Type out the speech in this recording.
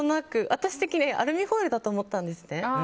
私的にはアルミホイルだと思ったんですね。